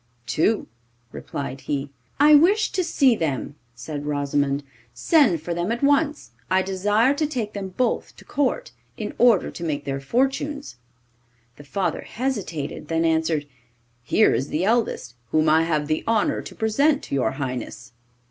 'Two,' replied he. 'I wish to see them,' said Rosimond. 'Send for them at once. I desire to take them both to Court, in order to make their fortunes.' The father hesitated, then answered: 'Here is the eldest, whom I have the honour to present to your Highness.